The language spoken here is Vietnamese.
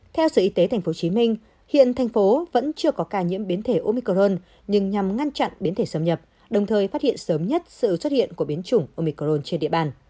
theo sở y tế tp hcm hiện thành phố vẫn chưa có ca nhiễm biến thể omicron nhưng nhằm ngăn chặn biến thể xâm nhập đồng thời phát hiện sớm nhất sự xuất hiện của biến chủng omicron trên địa bàn